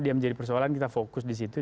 dia menjadi persoalan kita fokus disitu